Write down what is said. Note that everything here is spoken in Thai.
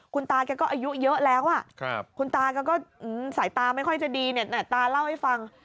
คุณตาแกก็อายุเยอะแล้วคุณตาแกก็สายตาไม่ค่อยจะดีเนี่ยตาเล่าให้ฟัง